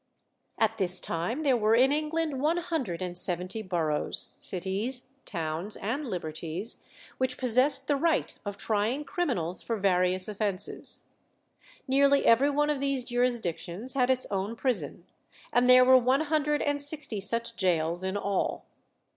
At this time there were in England one hundred and seventy boroughs, cities, towns, and liberties which possessed the right of trying criminals for various offences. Nearly every one of these jurisdictions had its own prison, and there were one hundred and sixty such gaols in all.